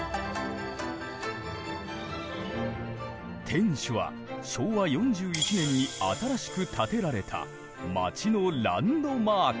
天守は昭和４１年に新しく建てられた町のランドマーク。